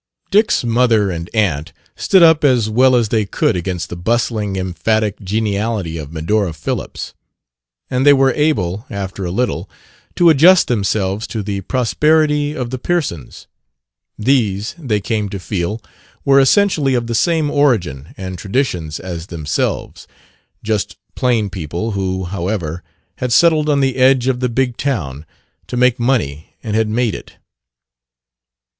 Dick's mother and aunt stood up as well as they could against the bustling, emphatic geniality of Medora Phillips; and they were able, after a little, to adjust themselves to the prosperity of the Pearsons. These, they came to feel, were essentially of the same origin and traditions as themselves: just plain people who, however, had settled on the edge of the Big Town to make money and had made it.